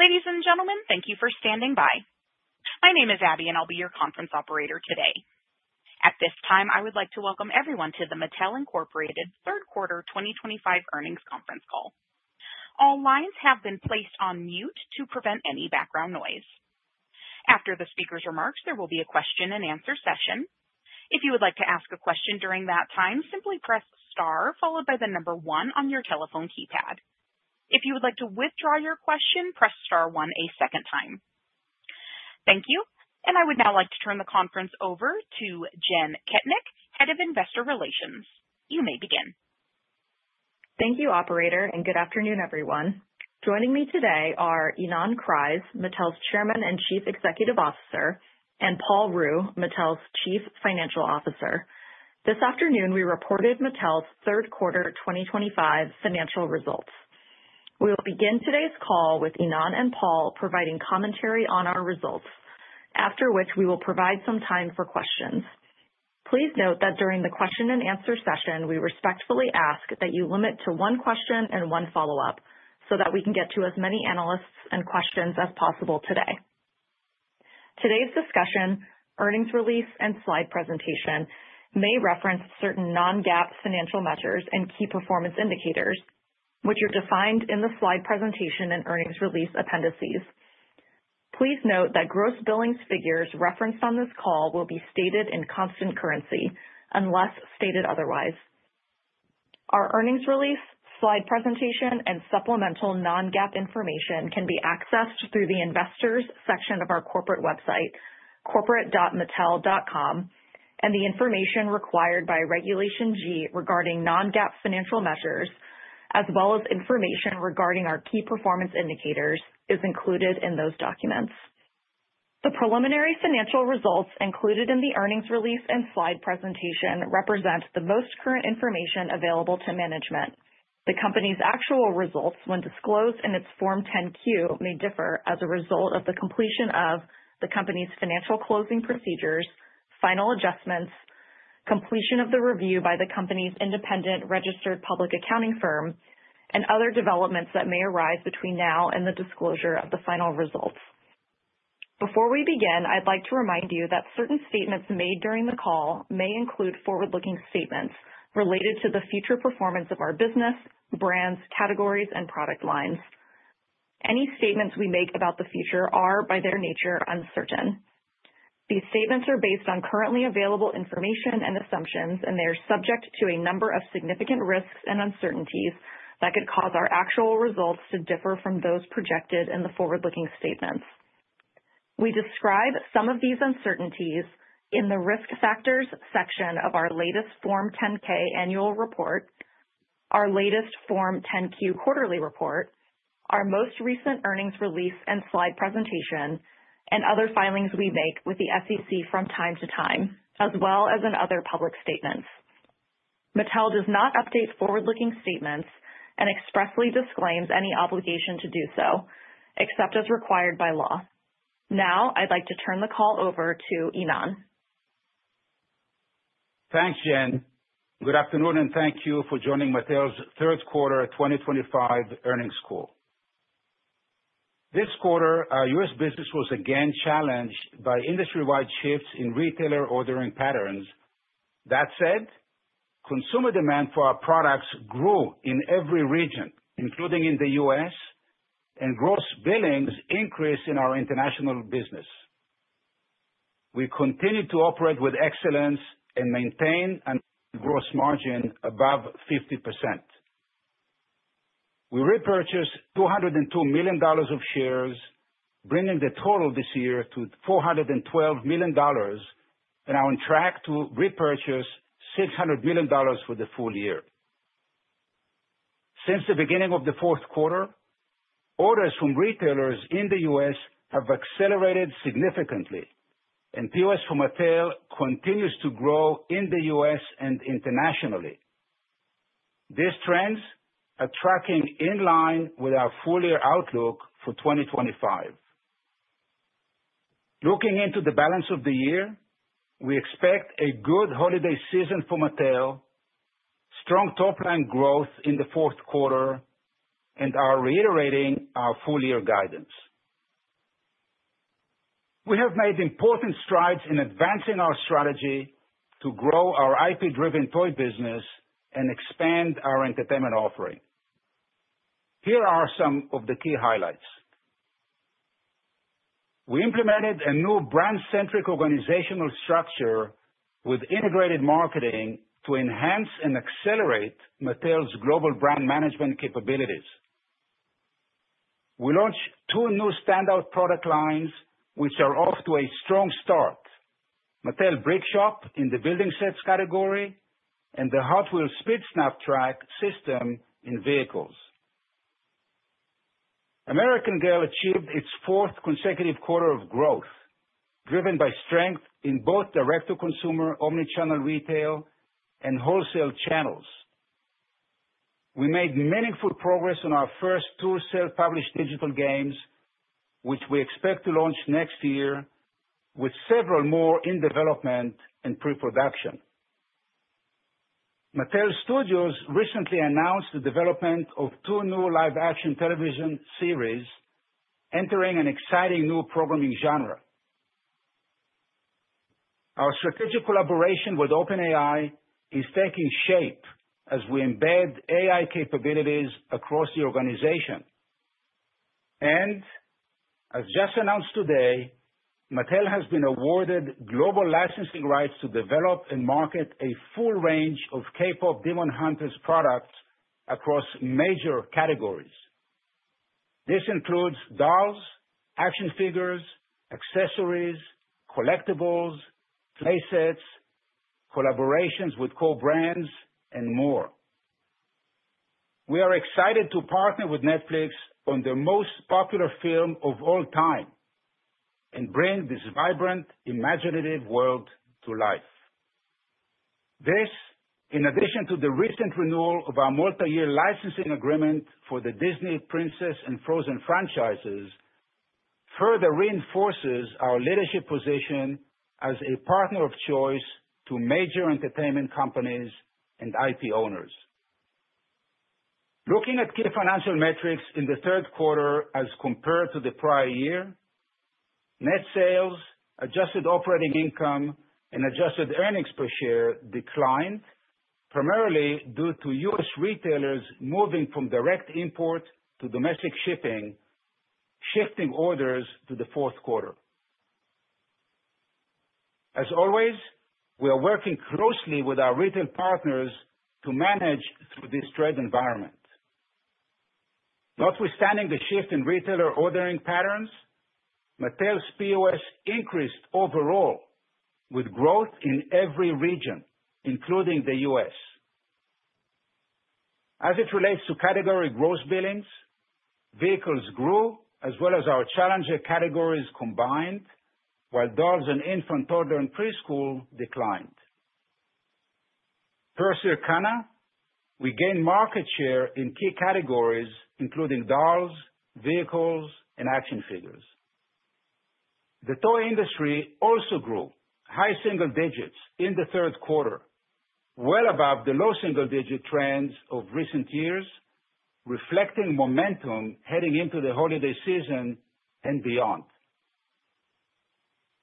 Ladies and gentlemen, thank you for standing by. My name is Abby, and I'll be your conference operator today. At this time, I would like to welcome everyone to the Mattel Incorporated third quarter 2025 earnings conference call. All lines have been placed on mute to prevent any background noise. After the speaker's remarks, there will be a question-and-answer session. If you would like to ask a question during that time, simply press star followed by the number one on your telephone keypad. If you would like to withdraw your question, press star one a second time. Thank you. And I would now like to turn the conference over to Jenn Kettnich, Head of Investor Relations. You may begin. Thank you, Operator, and good afternoon, everyone. Joining me today are Ynon Kreiz, Mattel's Chairman and Chief Executive Officer, and Paul Ruh, Mattel's Chief Financial Officer. This afternoon, we reported Mattel's third quarter 2025 financial results. We will begin today's call with Ynon and Paul providing commentary on our results, after which we will provide some time for questions. Please note that during the question-and-answer session, we respectfully ask that you limit to one question and one follow-up so that we can get to as many analysts' questions as possible today. Today's discussion, earnings release, and slide presentation may reference certain non-GAAP financial measures and key performance indicators, which are defined in the slide presentation and earnings release appendices. Please note that gross billings figures referenced on this call will be stated in constant currency unless stated otherwise. Our earnings release, slide presentation, and supplemental non-GAAP information can be accessed through the Investors section of our corporate website, corporate.mattel.com, and the information required by Regulation G regarding non-GAAP financial measures, as well as information regarding our key performance indicators, is included in those documents. The preliminary financial results included in the earnings release and slide presentation represent the most current information available to management. The company's actual results, when disclosed in its Form 10-Q, may differ as a result of the completion of the company's financial closing procedures, final adjustments, completion of the review by the company's independent registered public accounting firm, and other developments that may arise between now and the disclosure of the final results. Before we begin, I'd like to remind you that certain statements made during the call may include forward-looking statements related to the future performance of our business, brands, categories, and product lines. Any statements we make about the future are, by their nature, uncertain. These statements are based on currently available information and assumptions, and they are subject to a number of significant risks and uncertainties that could cause our actual results to differ from those projected in the forward-looking statements. We describe some of these uncertainties in the risk factors section of our latest Form 10-K annual report, our latest Form 10-Q quarterly report, our most recent earnings release and slide presentation, and other filings we make with the SEC from time to time, as well as in other public statements. Mattel does not update forward-looking statements and expressly disclaims any obligation to do so, except as required by law. Now, I'd like to turn the call over to Ynon. Thanks, Jenn. Good afternoon, and thank you for joining Mattel's third quarter 2025 earnings call. This quarter, our U.S. business was again challenged by industry-wide shifts in retailer ordering patterns. That said, consumer demand for our products grew in every region, including in the U.S., and gross billings increased in our international business. We continue to operate with excellence and maintain a gross margin above 50%. We repurchased $202 million of shares, bringing the total this year to $412 million, and are on track to repurchase $600 million for the full year. Since the beginning of the fourth quarter, orders from retailers in the U.S. have accelerated significantly, and POS for Mattel continues to grow in the U.S. and internationally. These trends are tracking in line with our full-year outlook for 2025. Looking into the balance of the year, we expect a good holiday season for Mattel, strong top-line growth in the fourth quarter, and are reiterating our full-year guidance. We have made important strides in advancing our strategy to grow our IP-driven toy business and expand our entertainment offering. Here are some of the key highlights. We implemented a new brand-centric organizational structure with integrated marketing to enhance and accelerate Mattel's global brand management capabilities. We launched two new standout product lines, which are off to a strong start: Mattel Brick Shop in the building sets category and the Hot Wheels Speed Snap Track System in vehicles. American Girl achieved its fourth consecutive quarter of growth, driven by strength in both direct-to-consumer, omnichannel retail, and wholesale channels. We made meaningful progress on our first two self-published digital games, which we expect to launch next year, with several more in development and pre-production. Mattel Studios recently announced the development of two new live-action television series, entering an exciting new programming genre. Our strategic collaboration with OpenAI is taking shape as we embed AI capabilities across the organization, and as just announced today, Mattel has been awarded global licensing rights to develop and market a full range of KPop Demon Hunters products across major categories. This includes dolls, action figures, accessories, collectibles, playsets, collaborations with co-brands, and more. We are excited to partner with Netflix on the most popular film of all time and bring this vibrant, imaginative world to life. This, in addition to the recent renewal of our multi-year licensing agreement for the Disney Princess and Frozen franchises, further reinforces our leadership position as a partner of choice to major entertainment companies and IP owners. Looking at key financial metrics in the third quarter as compared to the prior year, net sales, adjusted operating income, and adjusted earnings per share declined, primarily due to U.S. retailers moving from direct import to domestic shipping, shifting orders to the fourth quarter. As always, we are working closely with our retail partners to manage through this freight environment. Notwithstanding the shift in retailer ordering patterns, Mattel's POS increased overall, with growth in every region, including the U.S. As it relates to category gross billings, vehicles grew, as well as our challenger categories combined, while dolls, infants, and preschool declined. Per Circana, we gained market share in key categories, including dolls, vehicles, and action figures. The toy industry also grew high single digits in the third quarter, well above the low single-digit trends of recent years, reflecting momentum heading into the holiday season and beyond.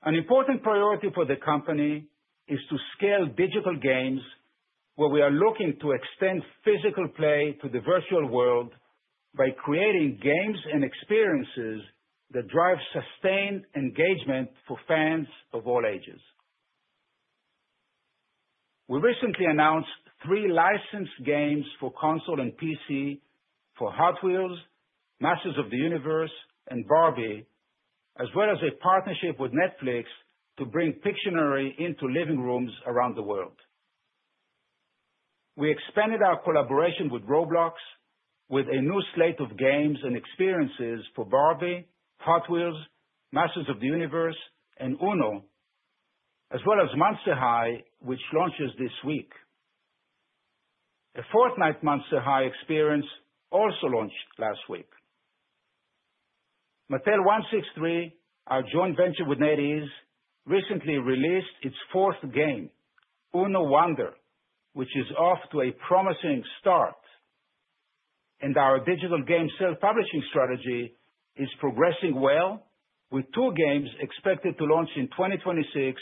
An important priority for the company is to scale digital games, where we are looking to extend physical play to the virtual world by creating games and experiences that drive sustained engagement for fans of all ages. We recently announced three licensed games for console and PC for Hot Wheels, Masters of the Universe, and Barbie, as well as a partnership with Netflix to bring Pictionary into living rooms around the world. We expanded our collaboration with Roblox with a new slate of games and experiences for Barbie, Hot Wheels, Masters of the Universe, and UNO, as well as Monster High, which launches this week. A Fortnite Monster High experience also launched last week. Mattel163, our joint venture with NetEase, recently released its fourth game, UNO Wonder, which is off to a promising start. Our digital game self-publishing strategy is progressing well, with two games expected to launch in 2026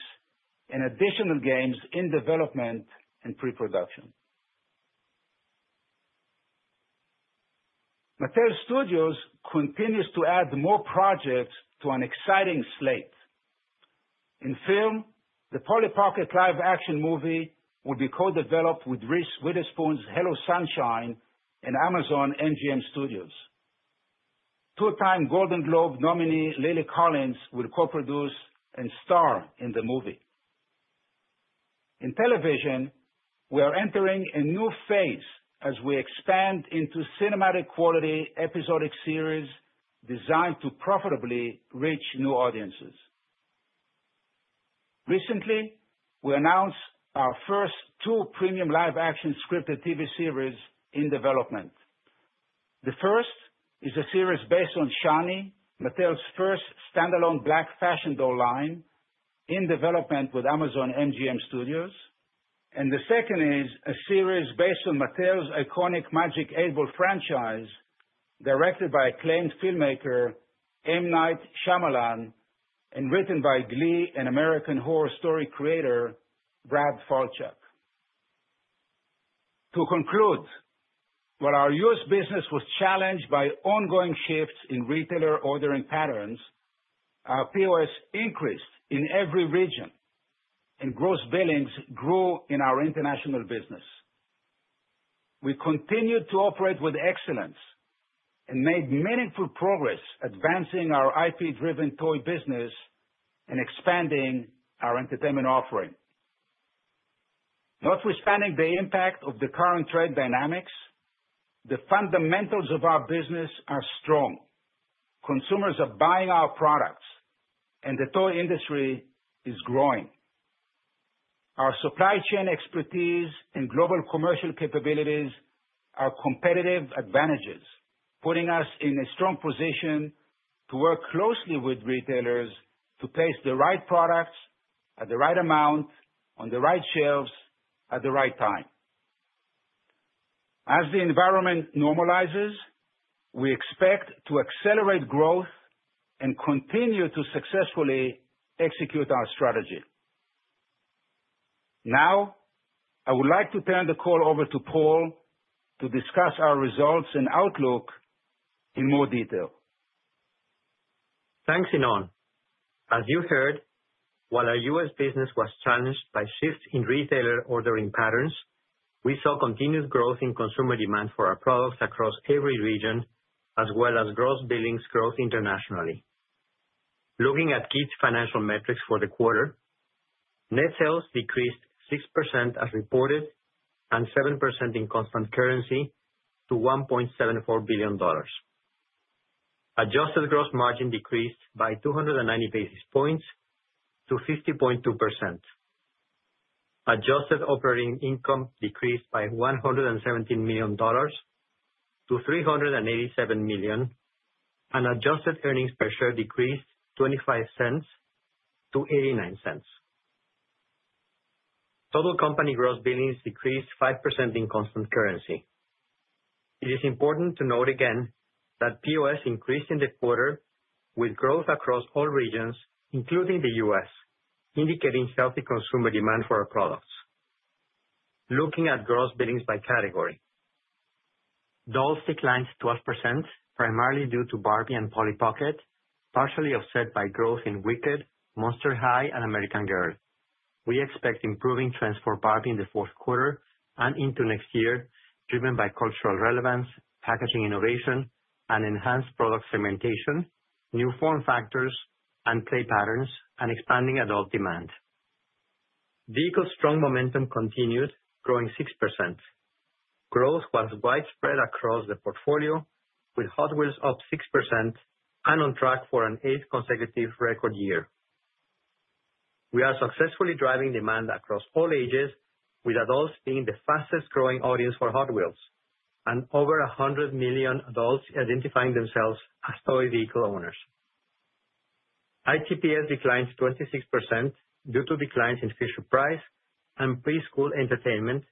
and additional games in development and pre-production. Mattel Studios continues to add more projects to an exciting slate. In film, the Polly Pocket live-action movie will be co-developed with Witherspoon's Hello Sunshine and Amazon MGM Studios. Two-time Golden Globe nominee Lily Collins will co-produce and star in the movie. In television, we are entering a new phase as we expand into cinematic quality episodic series designed to profitably reach new audiences. Recently, we announced our first two premium live-action scripted TV series in development. The first is a series based on Shani, Mattel's first standalone Black fashion doll line, in development with Amazon MGM Studios. And the second is a series based on Mattel's iconic Magic 8 Ball franchise, directed by acclaimed filmmaker M. Night Shyamalan and written by Glee, an American Horror Story creator, Brad Falchuk. To conclude, while our U.S. business was challenged by ongoing shifts in retailer ordering patterns, our POS increased in every region, and gross billings grew in our international business. We continued to operate with excellence and made meaningful progress advancing our IP-driven toy business and expanding our entertainment offering. Notwithstanding the impact of the current trade dynamics, the fundamentals of our business are strong. Consumers are buying our products, and the toy industry is growing. Our supply chain expertise and global commercial capabilities are competitive advantages, putting us in a strong position to work closely with retailers to place the right products at the right amount on the right shelves at the right time. As the environment normalizes, we expect to accelerate growth and continue to successfully execute our strategy. Now, I would like to turn the call over to Paul to discuss our results and outlook in more detail. Thanks, Ynon. As you heard, while our U.S. business was challenged by shifts in retailer ordering patterns, we saw continued growth in consumer demand for our products across every region, as well as gross billings growth internationally. Looking at key financial metrics for the quarter, net sales decreased 6% as reported and 7% in constant currency to $1.74 billion. Adjusted gross margin decreased by 290 basis points to 50.2%. Adjusted operating income decreased by $117 million to $387 million, and adjusted earnings per share decreased $0.25 to $0.89. Total company gross billings decreased 5% in constant currency. It is important to note again that POS increased in the quarter, with growth across all regions, including the U.S., indicating healthy consumer demand for our products. Looking at gross billings by category, dolls declined 12%, primarily due to Barbie and Polly Pocket, partially offset by growth in Wicked, Monster High, and American Girl. We expect improving trends for Barbie in the fourth quarter and into next year, driven by cultural relevance, packaging innovation, and enhanced product segmentation, new form factors and play patterns, and expanding adult demand. Vehicles strong momentum continued, growing 6%. Growth was widespread across the portfolio, with Hot Wheels up 6% and on track for an eighth consecutive record year. We are successfully driving demand across all ages, with adults being the fastest-growing audience for Hot Wheels and over 100 million adults identifying themselves as toy vehicle owners. ITP declined 26% due to declines in Fisher-Price and preschool entertainment,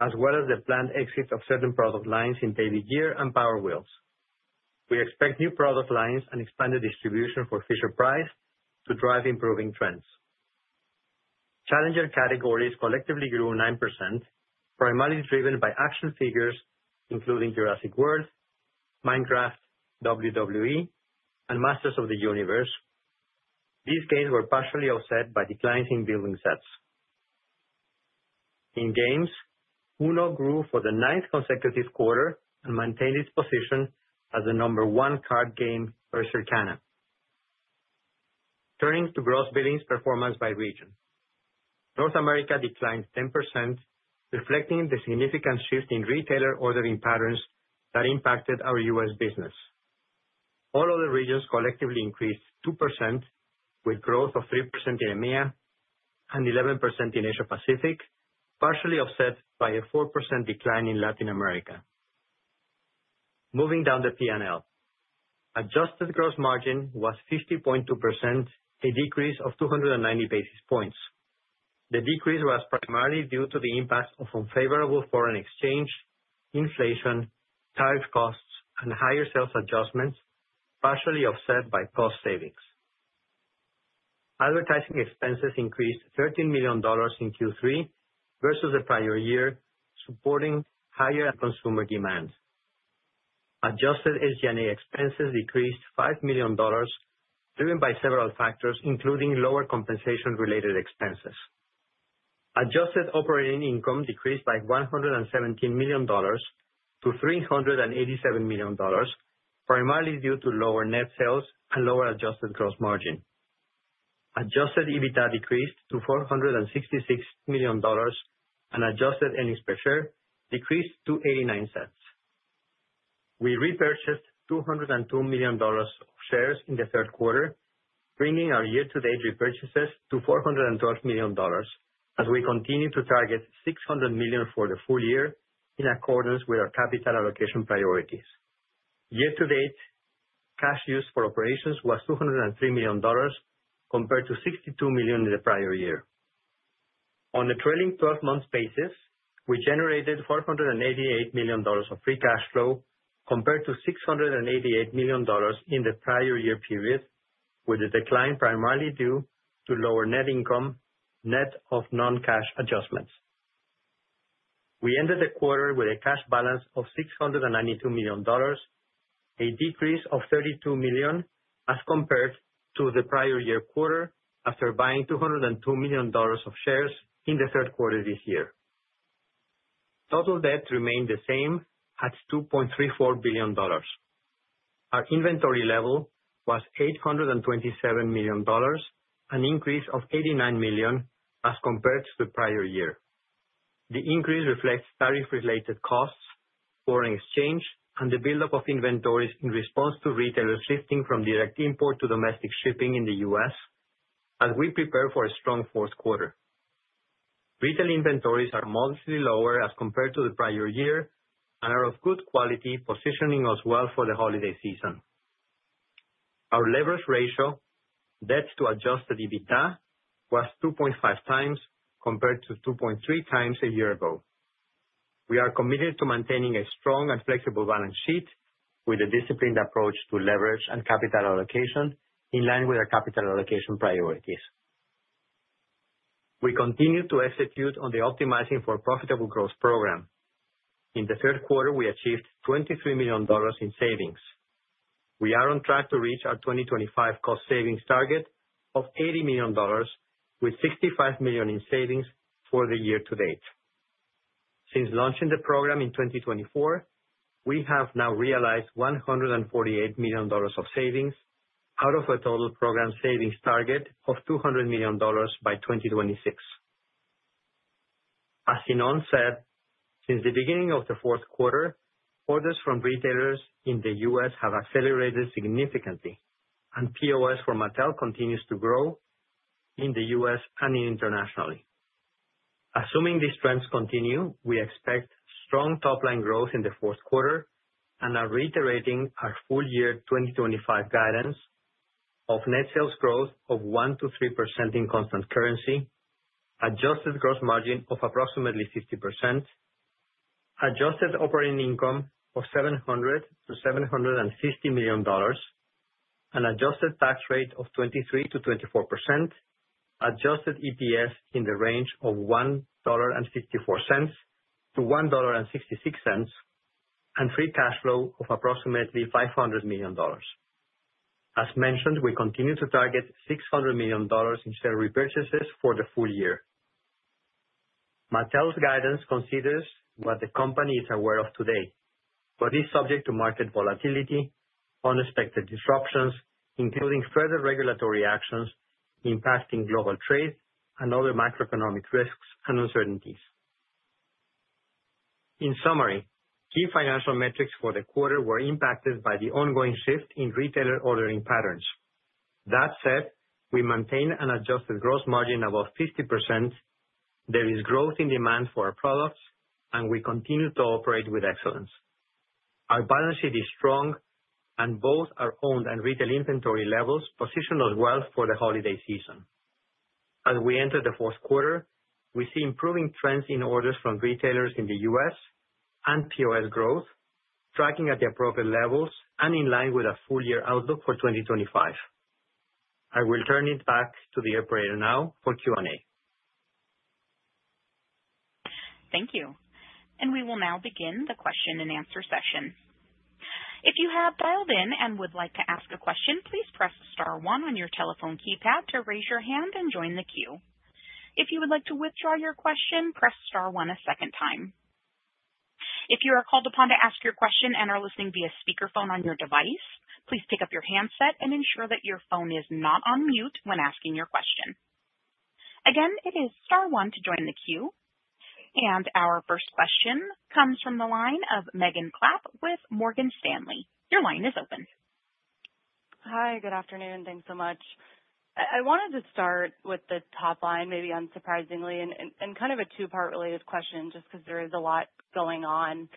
as well as the planned exit of certain product lines in Baby Gear and Power Wheels. We expect new product lines and expanded distribution for Fisher-Price to drive improving trends. Challenger categories collectively grew 9%, primarily driven by action figures, including Jurassic World, Minecraft, WWE, and Masters of the Universe. These gains were partially offset by declines in building sets. In games, UNO grew for the ninth consecutive quarter and maintained its position as the number one card game per Circana. Turning to gross billings performance by region, North America declined 10%, reflecting the significant shift in retailer ordering patterns that impacted our U.S. business. All other regions collectively increased 2%, with growth of 3% in EMEA and 11% in Asia-Pacific, partially offset by a 4% decline in Latin America. Moving down the P&L, adjusted gross margin was 50.2%, a decrease of 290 basis points. The decrease was primarily due to the impact of unfavorable foreign exchange, inflation, tariff costs, and higher sales adjustments, partially offset by cost savings. Advertising expenses increased $13 million in Q3 versus the prior year, supporting higher consumer demand. Adjusted SG&A expenses decreased $5 million, driven by several factors, including lower compensation-related expenses. Adjusted operating income decreased by $117 million to $387 million, primarily due to lower net sales and lower adjusted gross margin. Adjusted EBITDA decreased to $466 million, and adjusted earnings per share decreased to $0.89. We repurchased $202 million of shares in the third quarter, bringing our year-to-date repurchases to $412 million, as we continue to target $600 million for the full year in accordance with our capital allocation priorities. Year-to-date cash used for operations was $203 million, compared to $62 million in the prior year. On a trailing 12-month basis, we generated $488 million of free cash flow, compared to $688 million in the prior year period, with the decline primarily due to lower net income, net of non-cash adjustments. We ended the quarter with a cash balance of $692 million, a decrease of $32 million as compared to the prior year quarter after buying $202 million of shares in the third quarter this year. Total debt remained the same at $2.34 billion. Our inventory level was $827 million, an increase of $89 million as compared to the prior year. The increase reflects tariff-related costs, foreign exchange, and the buildup of inventories in response to retailers shifting from direct import to domestic shipping in the U.S., as we prepare for a strong fourth quarter. Retail inventories are modestly lower as compared to the prior year and are of good quality, positioning us well for the holiday season. Our leverage ratio, debt to Adjusted EBITDA, was 2.5 times compared to 2.3 times a year ago. We are committed to maintaining a strong and flexible balance sheet with a disciplined approach to leverage and capital allocation in line with our capital allocation priorities. We continue to execute on the Optimizing for Profitable Growth program. In the third quarter, we achieved $23 million in savings. We are on track to reach our 2025 cost savings target of $80 million, with $65 million in savings for the year to date. Since launching the program in 2024, we have now realized $148 million of savings out of a total program savings target of $200 million by 2026. As Ynon said, since the beginning of the fourth quarter, orders from retailers in the U.S. have accelerated significantly, and POS for Mattel continues to grow in the U.S. and internationally. Assuming these trends continue, we expect strong top-line growth in the fourth quarter and are reiterating our full year 2025 guidance of net sales growth of 1%-3% in constant currency, adjusted gross margin of approximately 50%, adjusted operating income of $700million-$750 million, an adjusted tax rate of 23%-24%, adjusted EPS in the range of $1.64-$1.66, and free cash flow of approximately $500 million. As mentioned, we continue to target $600 million in share repurchases for the full year. Mattel's guidance considers what the company is aware of today, but is subject to market volatility, unexpected disruptions, including further regulatory actions impacting global trade and other macroeconomic risks and uncertainties. In summary, key financial metrics for the quarter were impacted by the ongoing shift in retailer ordering patterns. That said, we maintain an adjusted gross margin above 50%. There is growth in demand for our products, and we continue to operate with excellence. Our balance sheet is strong, and both our own and retail inventory levels position us well for the holiday season. As we enter the fourth quarter, we see improving trends in orders from retailers in the U.S. and POS growth, tracking at the appropriate levels and in line with our full year outlook for 2025. I will turn it back to the operator now for Q&A. Thank you. And we will now begin the question-and-answer session. If you have dialed in and would like to ask a question, please press star one on your telephone keypad to raise your hand and join the queue. If you would like to withdraw your question, press star one a second time. If you are called upon to ask your question and are listening via speakerphone on your device, please pick up your handset and ensure that your phone is not on mute when asking your question. Again, it is star one to join the queue. And our first question comes from the line of Megan Clapp with Morgan Stanley. Your line is open. Hi. Good afternoon. Thanks so much. I wanted to start with the top line, maybe unsurprisingly, and kind of a two-part related question just because there is a lot going on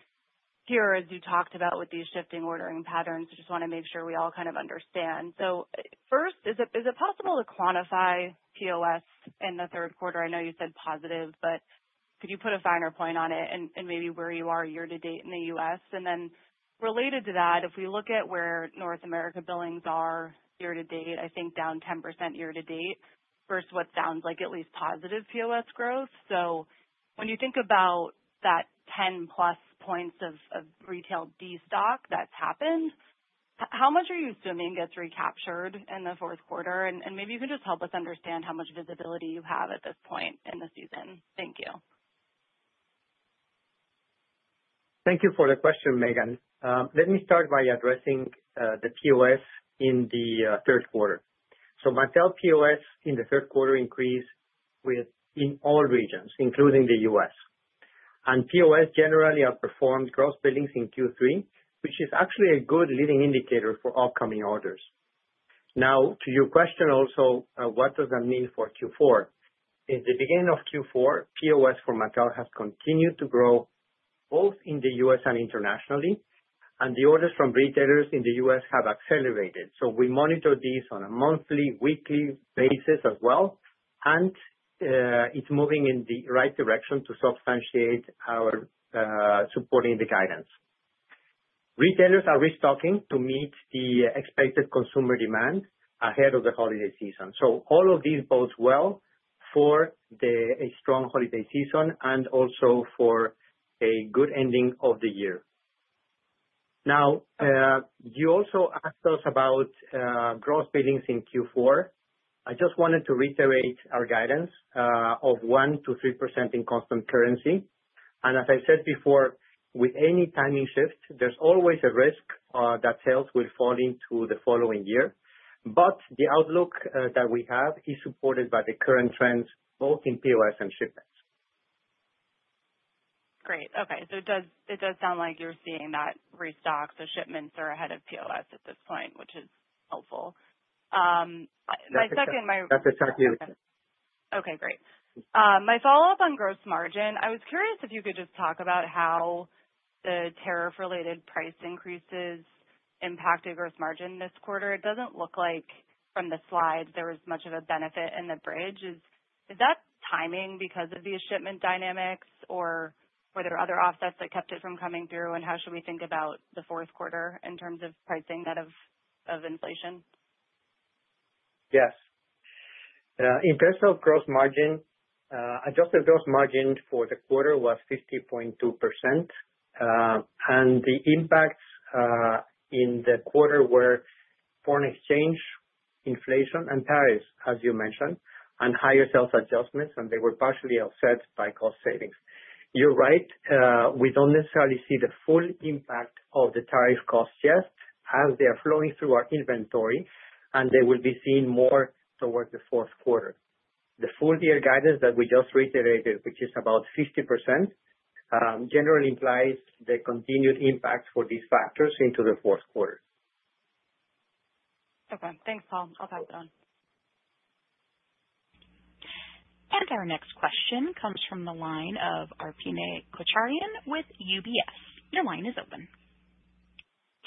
here, as you talked about with these shifting ordering patterns. I just want to make sure we all kind of understand. So first, is it possible to quantify POS in the third quarter? I know you said positive, but could you put a finer point on it and maybe where you are year-to-date in the U.S.? And then related to that, if we look at where North America billings are year-to-date, I think down 10% year-to-date versus what sounds like at least positive POS growth. So when you think about that 10-plus points of retail destock that's happened, how much are you assuming gets recaptured in the fourth quarter? And maybe you can just help us understand how much visibility you have at this point in the season. Thank you. Thank you for the question, Megan. Let me start by addressing the POS in the third quarter, so Mattel POS in the third quarter increased in all regions, including the U.S., and POS generally outperformed gross billings in Q3, which is actually a good leading indicator for upcoming orders. Now, to your question also, what does that mean for Q4? In the beginning of Q4, POS for Mattel has continued to grow both in the U.S. and internationally, and the orders from retailers in the U.S. have accelerated, so we monitor these on a monthly, weekly basis as well, and it's moving in the right direction to substantiate our supporting the guidance. Retailers are restocking to meet the expected consumer demand ahead of the holiday season, so all of these bodes well for a strong holiday season and also for a good ending of the year. Now, you also asked us about gross billings in Q4. I just wanted to reiterate our guidance of 1%-3% in constant currency. And as I said before, with any timing shift, there's always a risk that sales will fall into the following year. But the outlook that we have is supported by the current trends both in POS and shipments. Great. Okay. So it does sound like you're seeing that restock. So shipments are ahead of POS at this point, which is helpful. My second. That's exactly it. Okay. Great. My follow-up on gross margin, I was curious if you could just talk about how the tariff-related price increases impacted gross margin this quarter. It doesn't look like from the slides there was much of a benefit in the bridge. Is that timing because of these shipment dynamics, or were there other offsets that kept it from coming through? And how should we think about the fourth quarter in terms of pricing out of inflation? Yes. In terms of gross margin, adjusted gross margin for the quarter was 50.2%. And the impacts in the quarter were foreign exchange inflation and tariffs, as you mentioned, and higher sales adjustments, and they were partially offset by cost savings. You're right. We don't necessarily see the full impact of the tariff costs yet, as they are flowing through our inventory, and they will be seen more towards the fourth quarter. The full year guidance that we just reiterated, which is about 50%, generally implies the continued impact for these factors into the fourth quarter. Okay. Thanks, Paul. I'll pass it on. Our next question comes from the line of Arpine Kocharyan with UBS. Your line is open.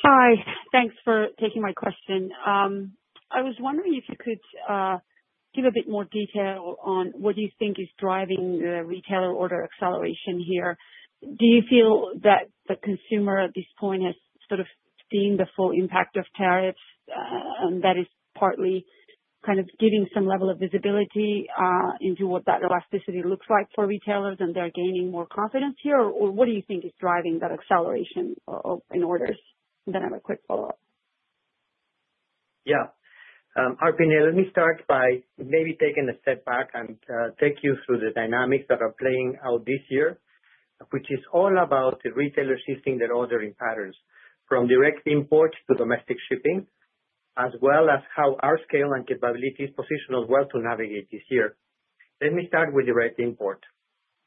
Hi. Thanks for taking my question. I was wondering if you could give a bit more detail on what do you think is driving the retailer order acceleration here. Do you feel that the consumer at this point has sort of seen the full impact of tariffs and that is partly kind of giving some level of visibility into what that elasticity looks like for retailers and they're gaining more confidence here, or what do you think is driving that acceleration in orders? And then I have a quick follow-up. Yeah. Arpine, let me start by maybe taking a step back and take you through the dynamics that are playing out this year, which is all about the retailers shifting their ordering patterns from direct import to domestic shipping, as well as how our scale and capabilities position us well to navigate this year. Let me start with direct import.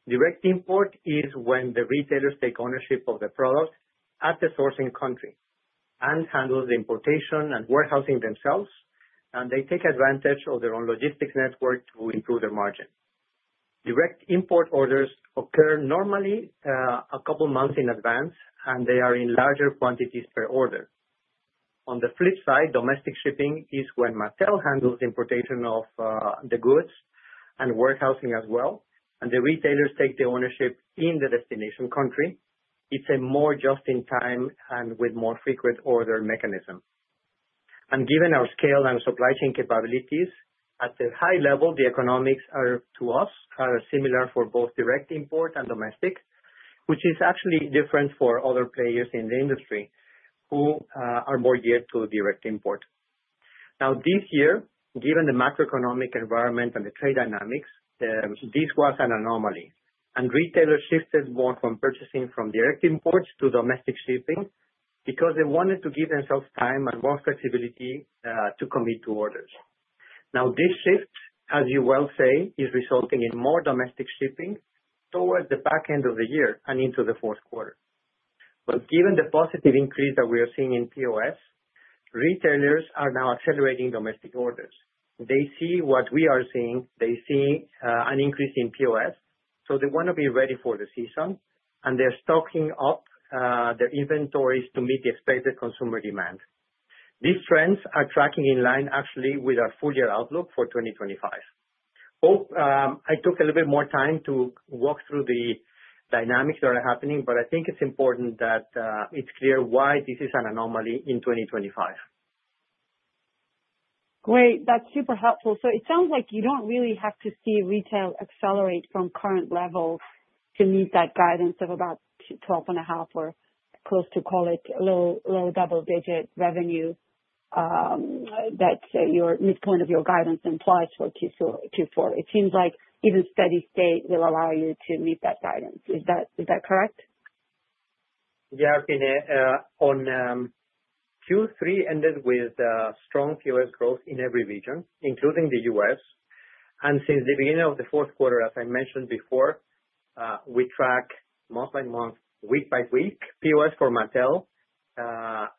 Direct import is when the retailers take ownership of the product at the sourcing country and handle the importation and warehousing themselves, and they take advantage of their own logistics network to improve their margin. Direct import orders occur normally a couple of months in advance, and they are in larger quantities per order. On the flip side, domestic shipping is when Mattel handles the importation of the goods and warehousing as well, and the retailers take the ownership in the destination country. It's a more just-in-time and with more frequent order mechanism, and given our scale and supply chain capabilities, at the high level, the economics to us are similar for both direct import and domestic, which is actually different for other players in the industry who are more geared to direct import. Now, this year, given the macroeconomic environment and the trade dynamics, this was an anomaly, and retailers shifted more from purchasing from direct imports to domestic shipping because they wanted to give themselves time and more flexibility to commit to orders. Now, this shift, as you well say, is resulting in more domestic shipping towards the back end of the year and into the fourth quarter, but given the positive increase that we are seeing in POS, retailers are now accelerating domestic orders. They see what we are seeing. They see an increase in POS, so they want to be ready for the season, and they're stocking up their inventories to meet the expected consumer demand. These trends are tracking in line, actually, with our full year outlook for 2025. Hope I took a little bit more time to walk through the dynamics that are happening, but I think it's important that it's clear why this is an anomaly in 2025. Great. That's super helpful. So it sounds like you don't really have to see retail accelerate from current levels to meet that guidance of about 12.5 or close to, call it, low double-digit revenue that your midpoint of your guidance implies for Q4. It seems like even steady state will allow you to meet that guidance. Is that correct? Yeah. Q3 ended with strong POS growth in every region, including the U.S., and since the beginning of the fourth quarter, as I mentioned before, we track month by month, week by week, POS for Mattel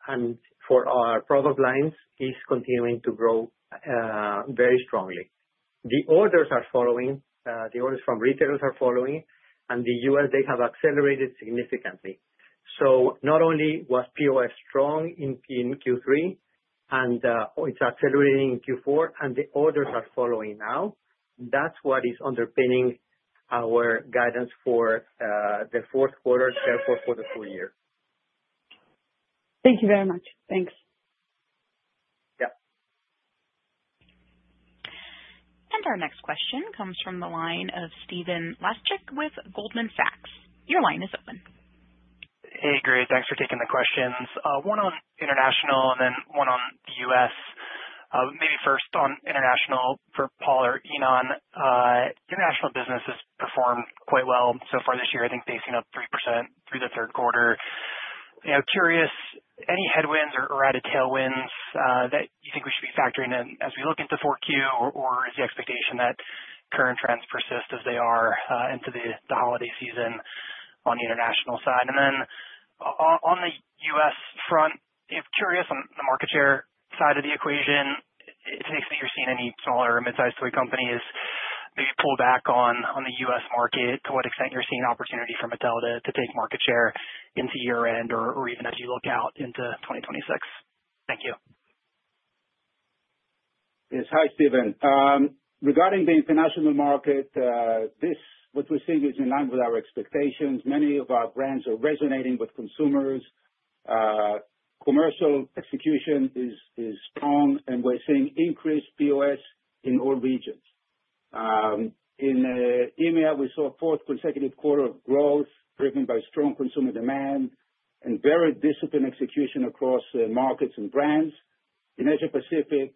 and for our product lines is continuing to grow very strongly. The orders are following. The orders from retailers are following, and in the U.S., they have accelerated significantly, so not only was POS strong in Q3, and it's accelerating in Q4, and the orders are following now, that's what is underpinning our guidance for the fourth quarter, therefore for the full year. Thank you very much. Thanks. Yeah. And our next question comes from the line of Stephen Laszczyk with Goldman Sachs. Your line is open. Hey, great. Thanks for taking the questions. One on international and then one on the U.S. Maybe first on international for Paul or Ynon. International business has performed quite well so far this year. I think pacing up 3% through the third quarter. Curious, any headwinds or added tailwinds that you think we should be factoring in as we look into 4Q, or is the expectation that current trends persist as they are into the holiday season on the international side? And then on the U.S. front, curious on the market share side of the equation, if you're seeing any smaller or mid-sized toy companies maybe pull back on the U.S. market, to what extent you're seeing opportunity for Mattel to take market share into year-end or even as you look out into 2026? Thank you. Yes. Hi, Steven. Regarding the international market, what we're seeing is in line with our expectations. Many of our brands are resonating with consumers. Commercial execution is strong, and we're seeing increased POS in all regions. In EMEA, we saw a fourth consecutive quarter of growth driven by strong consumer demand and very disciplined execution across markets and brands. In Asia-Pacific,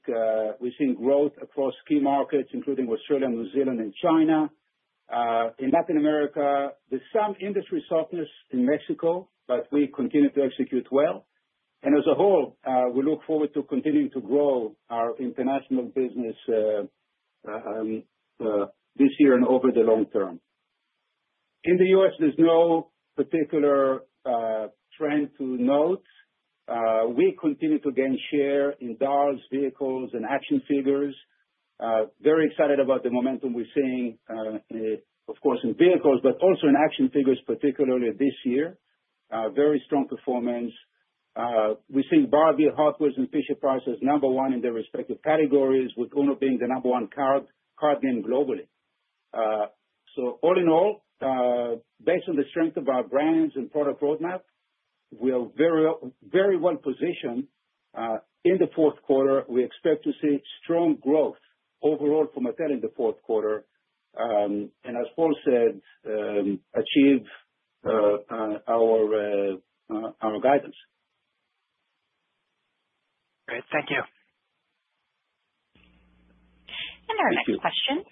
we've seen growth across key markets, including Australia, New Zealand, and China. In Latin America, there's some industry softness in Mexico, but we continue to execute well, and as a whole, we look forward to continuing to grow our international business this year and over the long term. In the U.S., there's no particular trend to note. We continue to gain share in Dolls, vehicles, and action figures. Very excited about the momentum we're seeing, of course, in vehicles, but also in action figures, particularly this year. Very strong performance. We're seeing Barbie, Hot Wheels, and Fisher-Price as number one in their respective categories, with UNO being the number one card game globally. So all in all, based on the strength of our brands and product roadmap, we are very well positioned in the fourth quarter. We expect to see strong growth overall for Mattel in the fourth quarter. And as Paul said, achieve our guidance. Great. Thank you. Our next question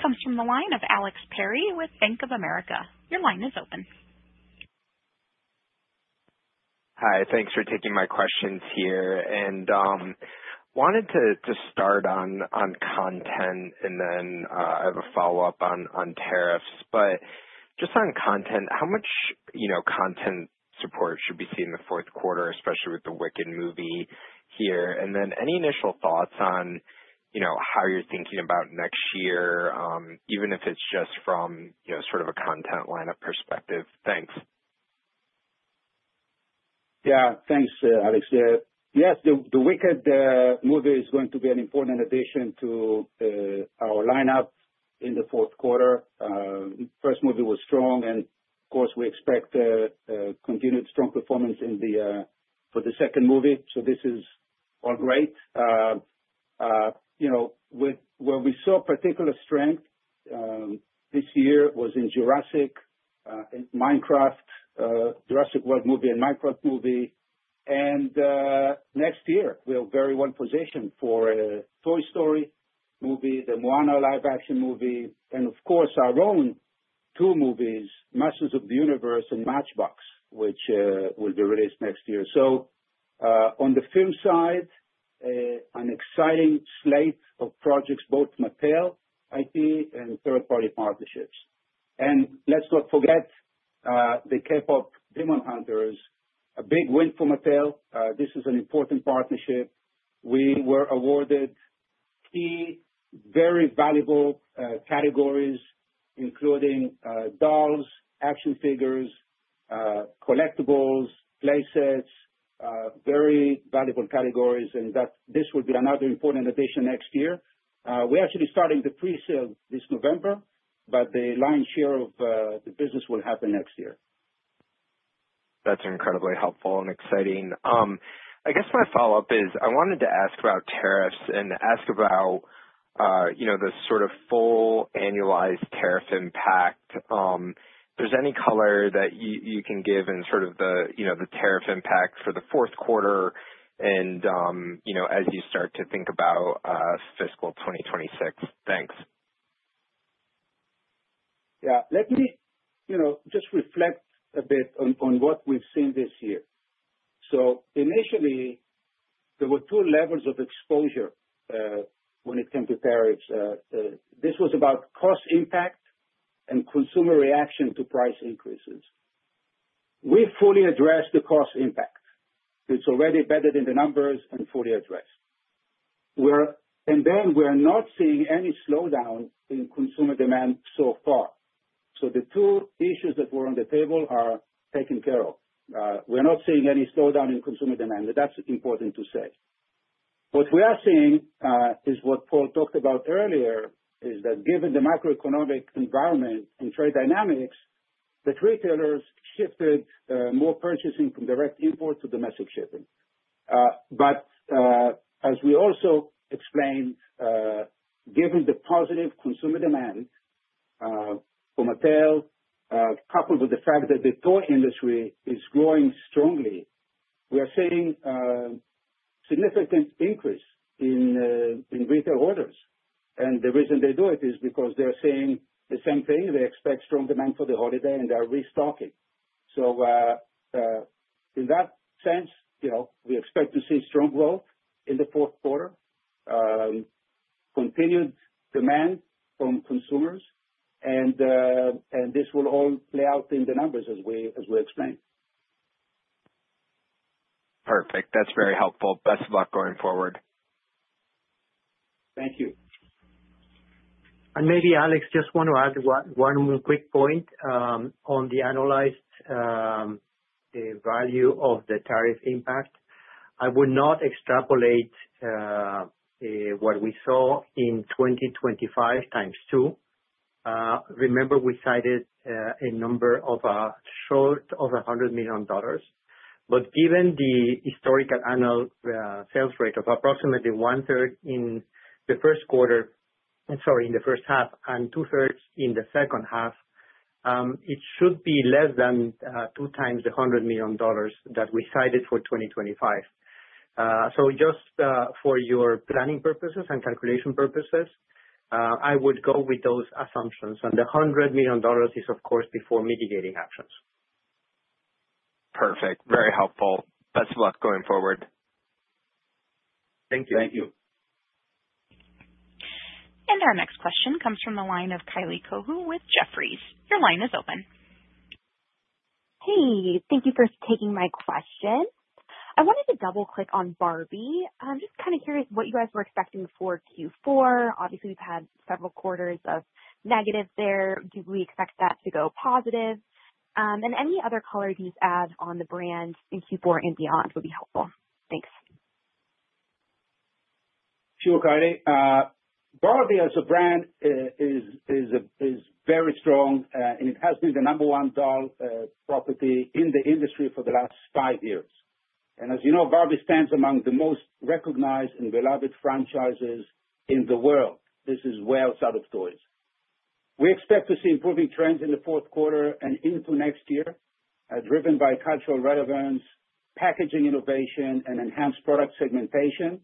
comes from the line of Alex Perry with Bank of America. Your line is open. Hi. Thanks for taking my questions here. And wanted to start on content, and then I have a follow-up on tariffs. But just on content, how much content support should be seen in the fourth quarter, especially with the Wicked movie here? And then any initial thoughts on how you're thinking about next year, even if it's just from sort of a content lineup perspective? Thanks. Yeah. Thanks, Alex. Yes. The Wicked movie is going to be an important addition to our lineup in the fourth quarter. First movie was strong, and of course, we expect continued strong performance for the second movie. So this is all great. Where we saw particular strength this year was in Jurassic and Minecraft, Jurassic World movie and Minecraft movie. And next year, we're very well positioned for a Toy Story movie, the Moana live-action movie, and of course, our own two movies, Masters of the Universe and Matchbox, which will be released next year. So on the film side, an exciting slate of projects, both Mattel IP and third-party partnerships. And let's not forget the KPop Demon Hunters, a big win for Mattel. This is an important partnership. We were awarded key, very valuable categories, including dolls, action figures, collectibles, playsets, very valuable categories, and this will be another important addition next year. We're actually starting the pre-sale this November, but the lion's share of the business will happen next year. That's incredibly helpful and exciting. I guess my follow-up is I wanted to ask about tariffs and ask about the sort of full annualized tariff impact. Is there any color that you can give in sort of the tariff impact for the fourth quarter and as you start to think about fiscal 2026? Thanks. Yeah. Let me just reflect a bit on what we've seen this year. So initially, there were two levels of exposure when it came to tariffs. This was about cost impact and consumer reaction to price increases. We fully addressed the cost impact. It's already better than the numbers and fully addressed, and then we're not seeing any slowdown in consumer demand so far. So the two issues that were on the table are taken care of. We're not seeing any slowdown in consumer demand, but that's important to say. What we are seeing is what Paul talked about earlier, is that given the macroeconomic environment and trade dynamics, the retailers shifted more purchasing from direct import to domestic shipping. But as we also explained, given the positive consumer demand for Mattel, coupled with the fact that the toy industry is growing strongly, we are seeing a significant increase in retail orders. And the reason they do it is because they're seeing the same thing. They expect strong demand for the holiday, and they're restocking. So in that sense, we expect to see strong growth in the fourth quarter, continued demand from consumers, and this will all play out in the numbers as we explained. Perfect. That's very helpful. Best of luck going forward. Thank you. And maybe, Alex, just want to add one quick point on the annualized value of the tariff impact. I would not extrapolate what we saw in 2025 times two. Remember, we cited a number short of $100 million. But given the historical annual sales rate of approximately one-third in the first quarter and sorry, in the first half and two-thirds in the second half, it should be less than two times the $100 million that we cited for 2025. So just for your planning purposes and calculation purposes, I would go with those assumptions. And the $100 million is, of course, before mitigating actions. Perfect. Very helpful. Best of luck going forward. Thank you. Thank you. Our next question comes from the line of Kylie Cohu with Jefferies. Your line is open. Hey. Thank you for taking my question. I wanted to double-click on Barbie. I'm just kind of curious what you guys were expecting for Q4? Obviously, we've had several quarters of negative there. Do we expect that to go positive? And any other color you can just add on the brand in Q4 and beyond would be helpful. Thanks. Sure, Kylie. Barbie, as a brand, is very strong, and it has been the number one doll property in the industry for the last five years. And as you know, Barbie stands among the most recognized and beloved franchises in the world. This is well outside of toys. We expect to see improving trends in the fourth quarter and into next year, driven by cultural relevance, packaging innovation, and enhanced product segmentation,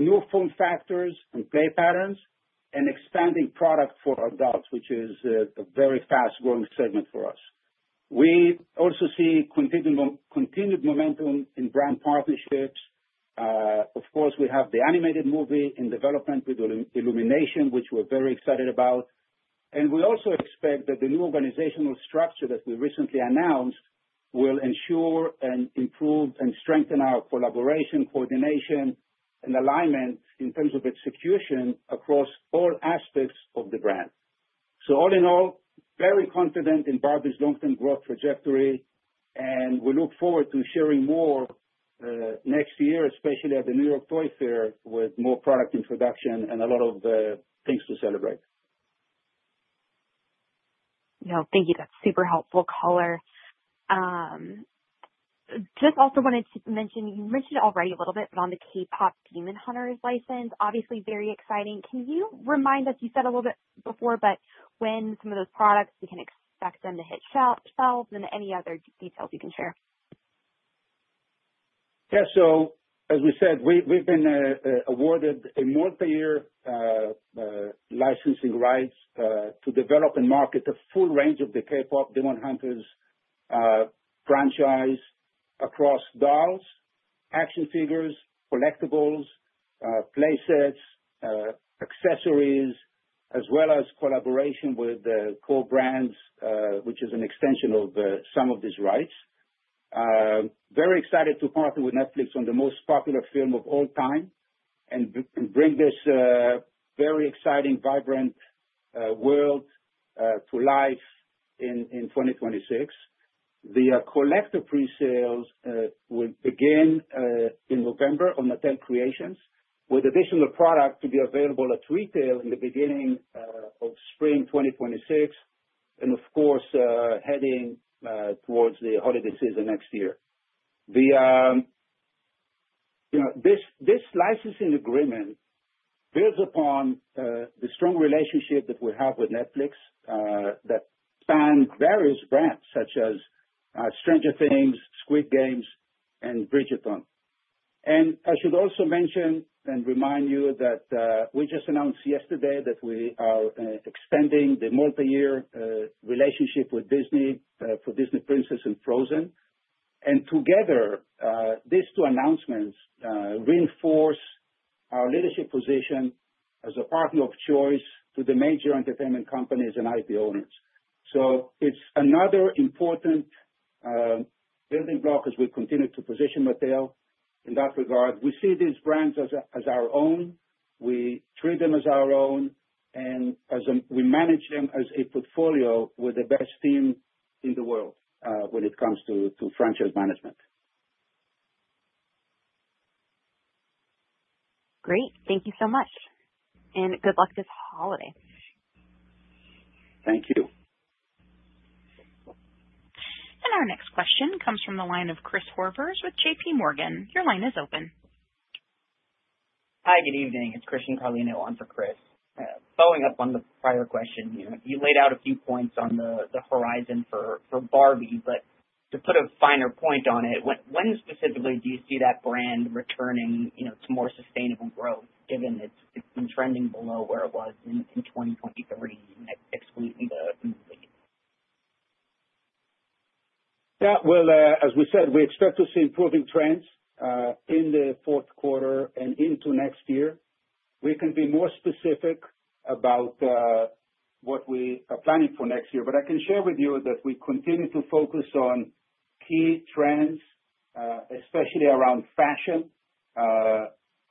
new form factors and play patterns, and expanding product for adults, which is a very fast-growing segment for us. We also see continued momentum in brand partnerships. Of course, we have the animated movie in development with Illumination, which we're very excited about. And we also expect that the new organizational structure that we recently announced will ensure and improve and strengthen our collaboration, coordination, and alignment in terms of execution across all aspects of the brand. So all in all, very confident in Barbie's long-term growth trajectory, and we look forward to sharing more next year, especially at the New York Toy Fair, with more product introduction and a lot of things to celebrate. No, thank you. That's super helpful color. Just also wanted to mention, you mentioned it already a little bit, but on the KPop Demon Hunters' license, obviously very exciting. Can you remind us, you said a little bit before, but when some of those products we can expect them to hit shelves and any other details you can share? Yeah. So as we said, we've been awarded multi-year licensing rights to develop and market the full range of the KPop Demon Hunters franchise across dolls, action figures, collectibles, playsets, accessories, as well as collaboration with co-brands, which is an extension of some of these rights. Very excited to partner with Netflix on the most popular film of all time and bring this very exciting, vibrant world to life in 2026. The collector pre-sales will begin in November on Mattel Creations, with additional product to be available at retail in the beginning of spring 2026, and of course, heading towards the holiday season next year. This licensing agreement builds upon the strong relationship that we have with Netflix that spanned various brands such as Stranger Things, Squid Game, and Bridgerton. And I should also mention and remind you that we just announced yesterday that we are extending the multi-year relationship with Disney for Disney Princess and Frozen. And together, these two announcements reinforce our leadership position as a partner of choice to the major entertainment companies and IP owners. So it's another important building block as we continue to position Mattel in that regard. We see these brands as our own. We treat them as our own, and we manage them as a portfolio with the best team in the world when it comes to franchise management. Great. Thank you so much, and good luck this holiday. Thank you. And our next question comes from the line of Chris Horvers with JPMorgan. Your line is open. Hi, good evening. It's Christian Carlino, on for Chris. Following up on the prior question, you laid out a few points on the horizon for Barbie, but to put a finer point on it, when specifically do you see that brand returning to more sustainable growth given it's been trending below where it was in 2023, excluding the movie? Yeah, well, as we said, we expect to see improving trends in the fourth quarter and into next year. We can be more specific about what we are planning for next year, but I can share with you that we continue to focus on key trends, especially around fashion,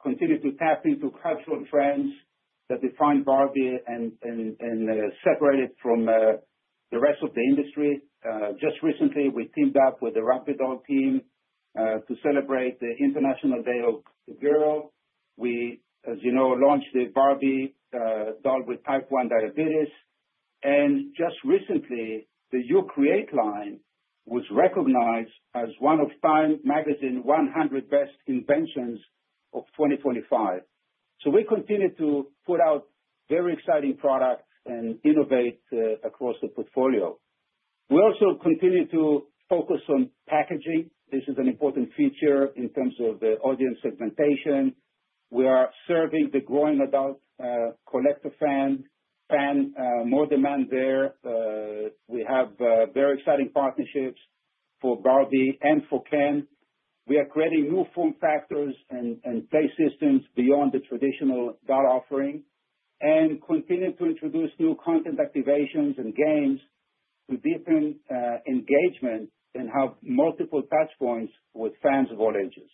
continue to tap into cultural trends that define Barbie and separate it from the rest of the industry. Just recently, we teamed up with the Rugby Doll team to celebrate the International Day of the Girl. We, as you know, launched the Barbie doll with Type 1 diabetes, and just recently, the You Create line was recognized as one of Time magazine's 100 best inventions of 2025, so we continue to put out very exciting products and innovate across the portfolio. We also continue to focus on packaging. This is an important feature in terms of the audience segmentation. We are serving the growing adult collector fan. More demand there. We have very exciting partnerships for Barbie and for Ken. We are creating new form factors and play systems beyond the traditional doll offering and continue to introduce new content activations and games to deepen engagement and have multiple touchpoints with fans of all ages.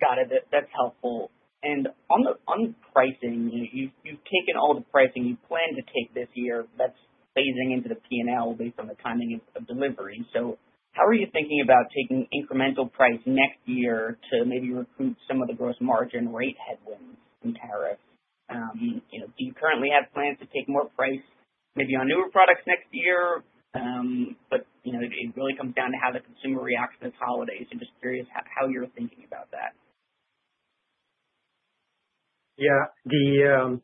Got it. That's helpful. And on pricing, you've taken all the pricing you plan to take this year. That's phasing into the P&L based on the timing of delivery. So how are you thinking about taking incremental price next year to maybe recoup some of the gross margin rate headwinds and tariffs? Do you currently have plans to take more price, maybe on newer products next year? But it really comes down to how the consumer reacts to this holiday. So just curious how you're thinking about that. Yeah. The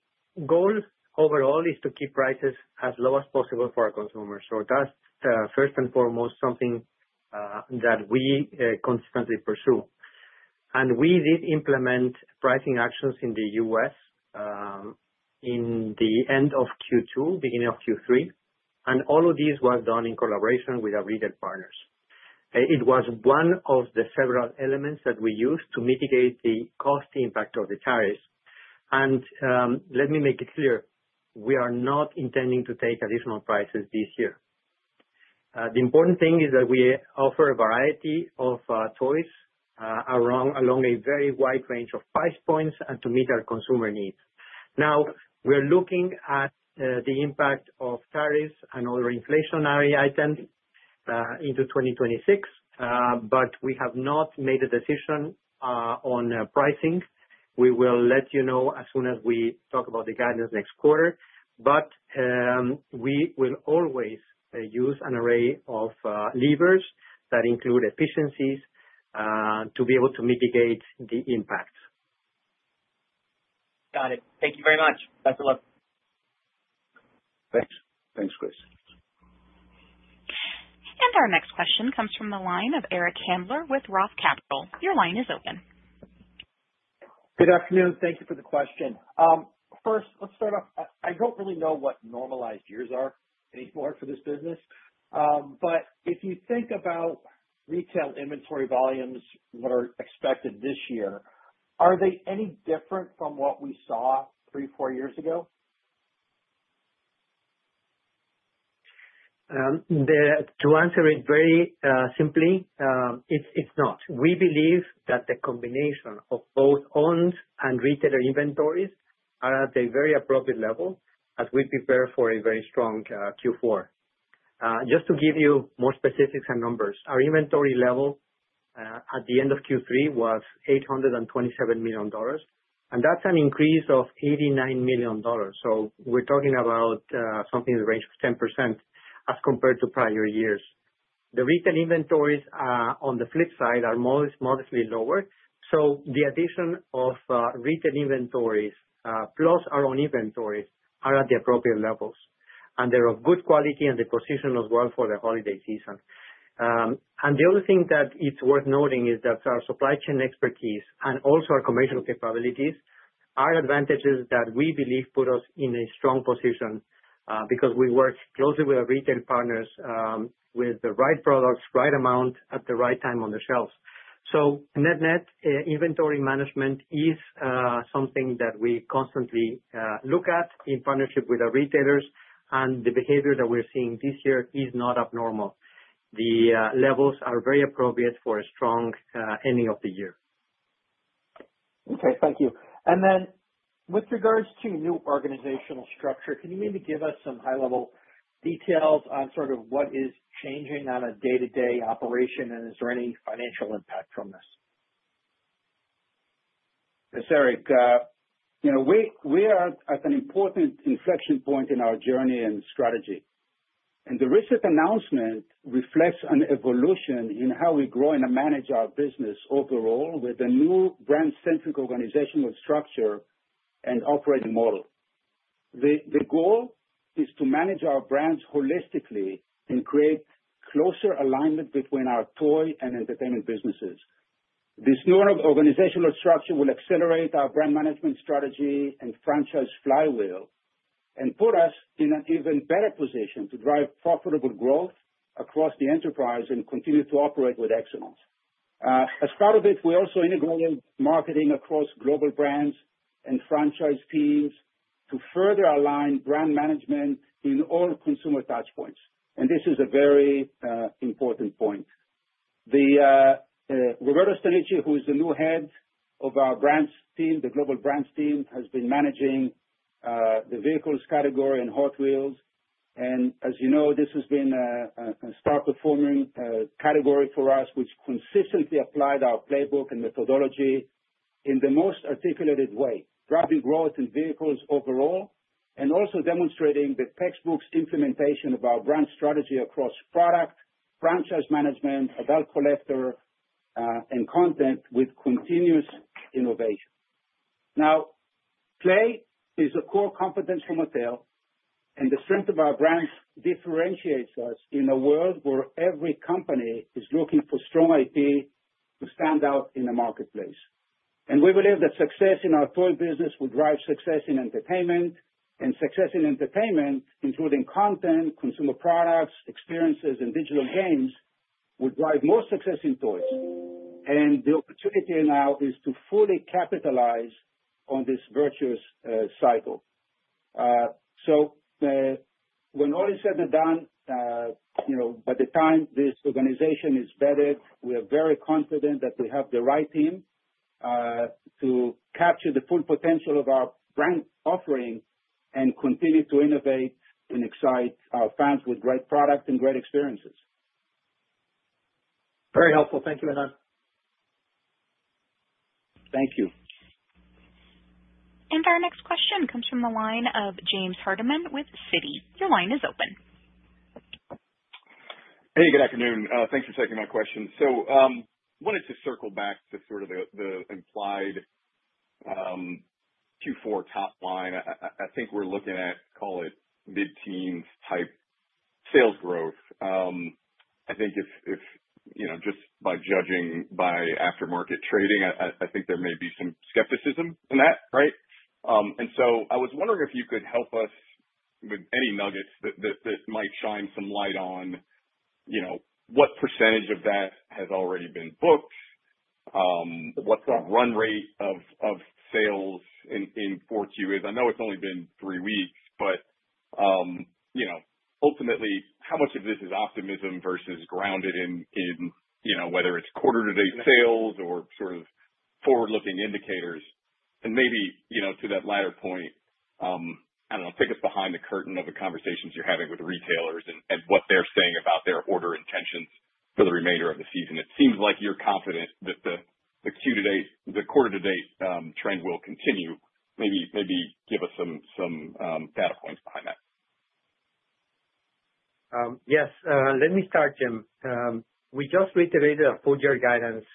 goal overall is to keep prices as low as possible for our consumers. So that's first and foremost something that we consistently pursue. And we did implement pricing actions in the U.S. in the end of Q2, beginning of Q3. And all of this was done in collaboration with our retail partners. It was one of the several elements that we used to mitigate the cost impact of the tariffs. And let me make it clear, we are not intending to take additional prices this year. The important thing is that we offer a variety of toys along a very wide range of price points and to meet our consumer needs. Now, we're looking at the impact of tariffs and other inflationary items into 2026, but we have not made a decision on pricing. We will let you know as soon as we talk about the guidance next quarter, but we will always use an array of levers that include efficiencies to be able to mitigate the impacts. Got it. Thank you very much. Best of luck. Thanks. Thanks, Chris. Our next question comes from the line of Eric Handler with Roth Capital. Your line is open. Good afternoon. Thank you for the question. First, let's start off. I don't really know what normalized years are anymore for this business. But if you think about retail inventory volumes that are expected this year, are they any different from what we saw three, four years ago? To answer it very simply, it's not. We believe that the combination of both owned and retailer inventories are at a very appropriate level as we prepare for a very strong Q4. Just to give you more specifics and numbers, our inventory level at the end of Q3 was $827 million. And that's an increase of $89 million. So we're talking about something in the range of 10% as compared to prior years. The retail inventories, on the flip side, are modestly lower. So the addition of retail inventories plus our own inventories are at the appropriate levels. And they're of good quality and positioned as well for the holiday season. The other thing that it's worth noting is that our supply chain expertise and also our commercial capabilities are advantages that we believe put us in a strong position because we work closely with our retail partners with the right products, right amount at the right time on the shelves. Net-net inventory management is something that we constantly look at in partnership with our retailers. The behavior that we're seeing this year is not abnormal. The levels are very appropriate for a strong ending of the year. Okay. Thank you, and then with regards to new organizational structure, can you maybe give us some high-level details on sort of what is changing on a day-to-day operation and is there any financial impact from this? Yes, Eric. We are at an important inflection point in our journey and strategy, and the recent announcement reflects an evolution in how we grow and manage our business overall with a new brand-centric organizational structure and operating model. The goal is to manage our brands holistically and create closer alignment between our toy and entertainment businesses. This new organizational structure will accelerate our brand management strategy and franchise flywheel and put us in an even better position to drive profitable growth across the enterprise and continue to operate with excellence. As part of it, we also integrated marketing across global brands and franchise teams to further align brand management in all consumer touchpoints, and this is a very important point. Roberto Stanichi, who is the new head of our brand team, the global brand team, has been managing the vehicles category and Hot Wheels. And as you know, this has been a star-performing category for us, which consistently applied our playbook and methodology in the most articulated way, driving growth in vehicles overall, and also demonstrating the textbook implementation of our brand strategy across product, franchise management, adult collector, and content with continuous innovation. Now, play is a core competence for Mattel, and the strength of our brand differentiates us in a world where every company is looking for strong IP to stand out in the marketplace. And we believe that success in our toy business will drive success in entertainment, and success in entertainment, including content, consumer products, experiences, and digital games, will drive more success in toys. And the opportunity now is to fully capitalize on this virtuous cycle. So when all is said and done, by the time this organization is vetted, we are very confident that we have the right team to capture the full potential of our brand offering and continue to innovate and excite our fans with great products and great experiences. Very helpful. Thank you, Ynon. Thank you. Our next question comes from the line of James Hardiman with Citi. Your line is open. Hey, good afternoon. Thanks for taking my question. So I wanted to circle back to sort of the implied Q4 top line. I think we're looking at, call it, mid-teens type sales growth. I think if just by judging by aftermarket trading, I think there may be some skepticism in that, right? And so I was wondering if you could help us with any nuggets that might shine some light on what percentage of that has already been booked, what the run rate of sales in 4Q is. I know it's only been three weeks, but ultimately, how much of this is optimism versus grounded in whether it's quarter-to-date sales or sort of forward-looking indicators? And maybe to that latter point, I don't know, take us behind the curtain of the conversations you're having with retailers and what they're saying about their order intentions for the remainder of the season. It seems like you're confident that the quarter-to-date trend will continue. Maybe give us some data points behind that. Yes. Let me start, Jim. We just reiterated our full-year guidance,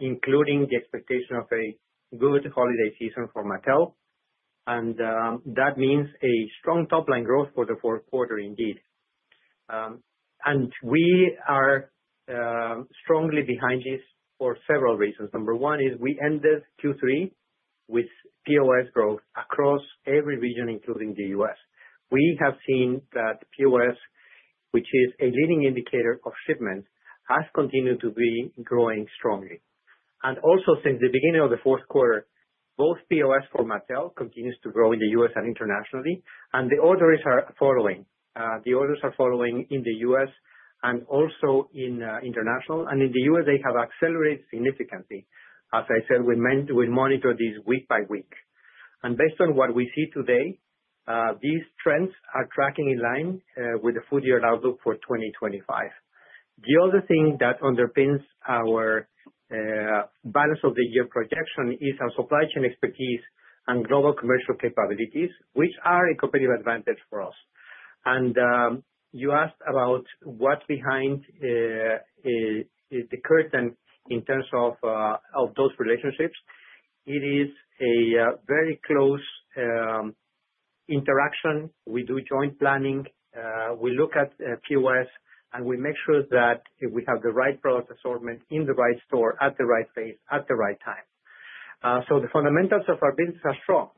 including the expectation of a good holiday season for Mattel. And that means a strong top-line growth for the fourth quarter, indeed. And we are strongly behind this for several reasons. Number one is we ended Q3 with POS growth across every region, including the U.S. We have seen that POS, which is a leading indicator of shipments, has continued to be growing strongly. And also, since the beginning of the fourth quarter, both POS for Mattel continues to grow in the U.S. and internationally. And the orders are following. The orders are following in the U.S. and also in international. And in the U.S., they have accelerated significantly. As I said, we monitor this week by week. And based on what we see today, these trends are tracking in line with the full-year outlook for 2025. The other thing that underpins our balance of the year projection is our supply chain expertise and global commercial capabilities, which are a competitive advantage for us, and you asked about what's behind the curtain in terms of those relationships. It is a very close interaction. We do joint planning. We look at POS, and we make sure that we have the right product assortment in the right store, at the right place, at the right time, so the fundamentals of our business are strong,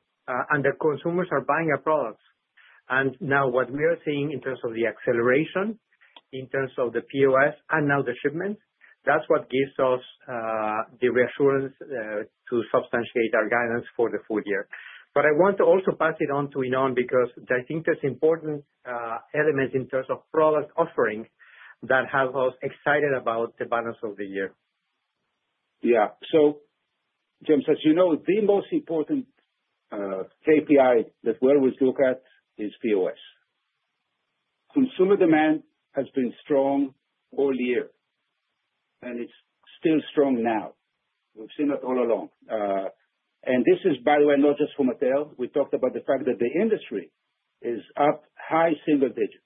and the consumers are buying our products, and now what we are seeing in terms of the acceleration, in terms of the POS, and now the shipments, that's what gives us the reassurance to substantiate our guidance for the full year. But I want to also pass it on to Ynon because I think there's important elements in terms of product offering that have us excited about the balance of the year. Yeah, so James, as you know, the most important KPI that we always look at is POS. Consumer demand has been strong all year, and it's still strong now. We've seen it all along, and this is, by the way, not just for Mattel. We talked about the fact that the industry is up high single digits,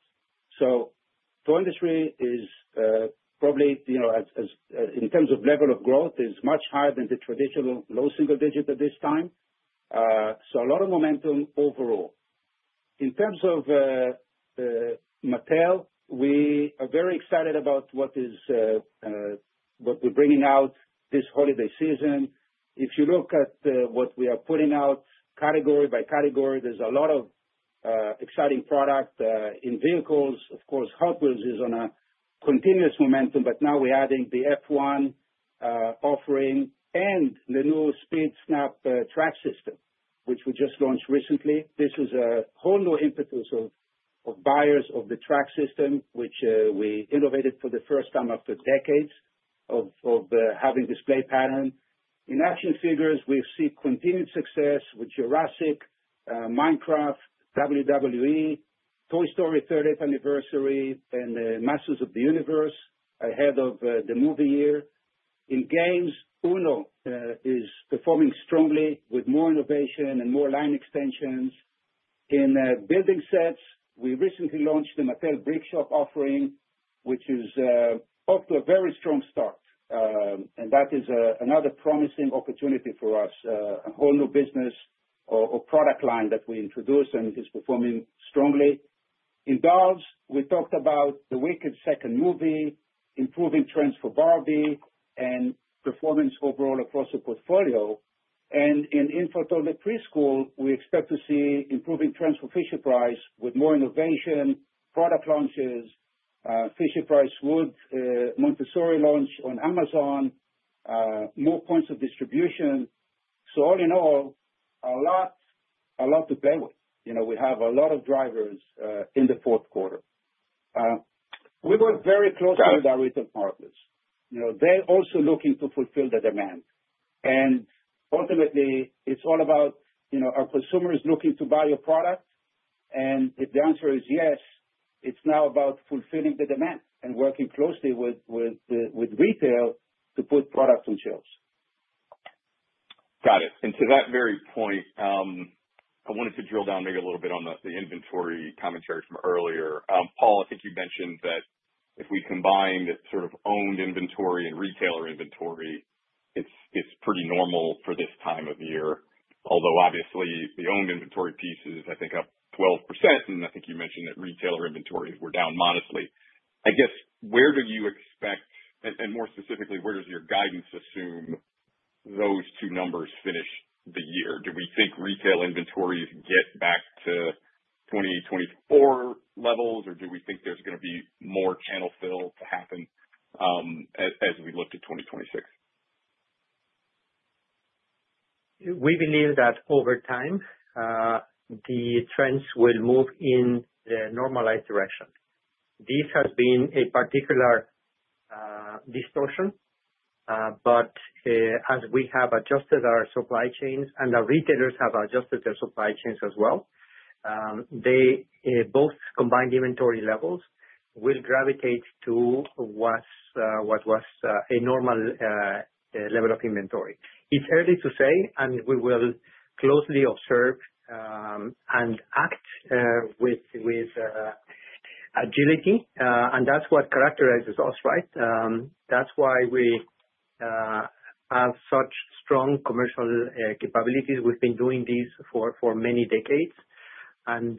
so toy industry is probably, in terms of level of growth, much higher than the traditional low single digit at this time, so a lot of momentum overall. In terms of Mattel, we are very excited about what we're bringing out this holiday season. If you look at what we are putting out category by category, there's a lot of exciting product in vehicles. Of course, Hot Wheels is on a continuous momentum, but now we're adding the F1 offering and the new Speed Snap Track system, which we just launched recently. This is a whole new impetus of buyers of the track system, which we innovated for the first time after decades of having this play pattern. In action figures, we've seen continued success with Jurassic, Minecraft, WWE, Toy Story 30th Anniversary, and Masters of the Universe ahead of the movie year. In games, UNO is performing strongly with more innovation and more line extensions. In building sets, we recently launched the Mattel Brick Shop offering, which is off to a very strong start, and that is another promising opportunity for us, a whole new business or product line that we introduced and is performing strongly. In dolls, we talked about the Wicked second movie, improving trends for Barbie, and performance overall across the portfolio. And in Infant to Early Preschool, we expect to see improving trends for Fisher-Price with more innovation, product launches, Fisher-Price Wood Montessori launch on Amazon, more points of distribution. So all in all, a lot to play with. We have a lot of drivers in the fourth quarter. We work very closely with our retail partners. They're also looking to fulfill the demand. And ultimately, it's all about our consumers looking to buy your product. And if the answer is yes, it's now about fulfilling the demand and working closely with retail to put product on shelves. Got it. And to that very point, I wanted to drill down maybe a little bit on the inventory commentary from earlier. Paul, I think you mentioned that if we combine that sort of owned inventory and retailer inventory, it's pretty normal for this time of year. Although, obviously, the owned inventory piece is, I think, up 12%, and I think you mentioned that retailer inventory is down modestly. I guess, where do you expect, and more specifically, where does your guidance assume those two numbers finish the year? Do we think retail inventories get back to 2024 levels, or do we think there's going to be more channel fill to happen as we look to 2026? We believe that over time, the trends will move in the normalized direction. This has been a particular distortion. But as we have adjusted our supply chains and our retailers have adjusted their supply chains as well, both combined inventory levels will gravitate to what was a normal level of inventory. It's early to say, and we will closely observe and act with agility. And that's what characterizes us, right? That's why we have such strong commercial capabilities. We've been doing this for many decades. And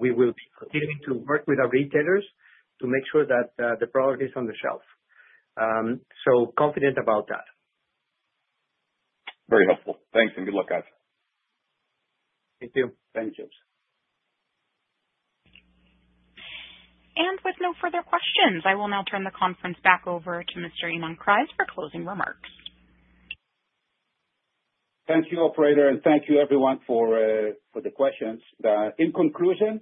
we will be continuing to work with our retailers to make sure that the product is on the shelf. So confident about that. Very helpful. Thanks, and good luck, guys. Thank you. Thank you. With no further questions, I will now turn the conference back over to Mr. Ynon Kreiz for closing remarks. Thank you, operator, and thank you, everyone, for the questions. In conclusion,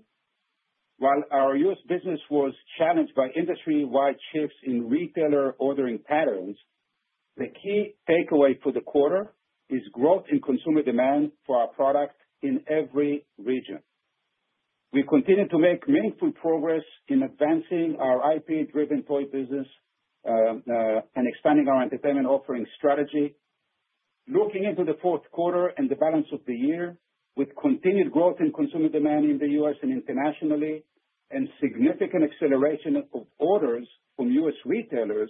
while our U.S. business was challenged by industry-wide shifts in retailer ordering patterns, the key takeaway for the quarter is growth in consumer demand for our product in every region. We continue to make meaningful progress in advancing our IP-driven toy business and expanding our entertainment offering strategy. Looking into the fourth quarter and the balance of the year, with continued growth in consumer demand in the U.S. and internationally, and significant acceleration of orders from U.S. retailers,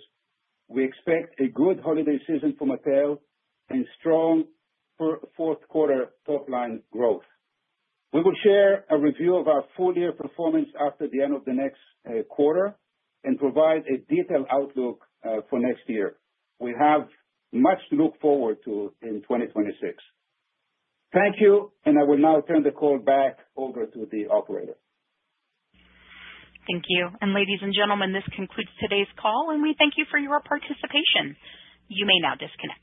we expect a good holiday season for Mattel and strong fourth quarter top-line growth. We will share a review of our full-year performance after the end of the next quarter and provide a detailed outlook for next year. We have much to look forward to in 2026. Thank you, and I will now turn the call back over to the operator. Thank you. And ladies and gentlemen, this concludes today's call, and we thank you for your participation. You may now disconnect.